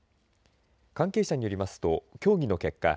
関係者によりますと協議の結果